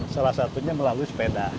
salah satunya melalui sepeda